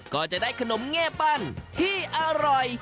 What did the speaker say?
ก็จะได้ขนมแง่ปั้นที่อร่อย